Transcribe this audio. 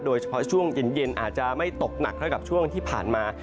โดยเฉพาะช่วงเย็นอาจจะไม่ตกหนักเท่ากับช่วงที่ผ่านมา